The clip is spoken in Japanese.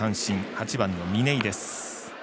８番の嶺井です。